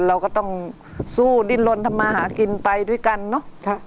เราก็ต้องสู้ดิ้นลนทำมาหากินไปด้วยกันเนอะ